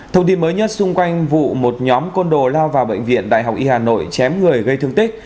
thông tin mới nhất xung quanh vụ một nhóm côn đồ lao vào bệnh viện đại học y hà nội chém người gây thương tích